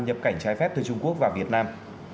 nhập cảnh trái phép từ trung quốc vào việt nam